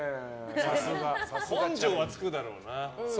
根性はつくだろうな。